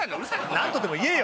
何とでも言えよ。